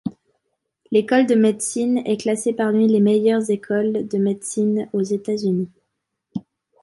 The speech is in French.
L'École de médecine est classée parmi les meilleures écoles de médecine aux États-Unis.